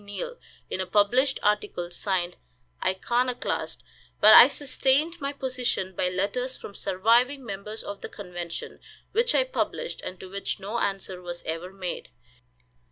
Neill, in a published article, signed "Iconoclast;" but I sustained my position by letters from surviving members of the convention, which I published, and to which no answer was ever made.